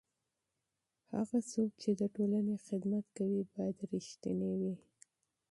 هغه څوک چې د ټولنې خدمت کوي باید رښتینی وي.